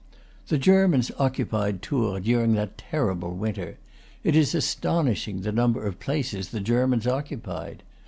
The Germans occupied Tours during that terrible winter; it is astonishing, the number of places the Germans occupied.